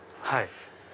はい。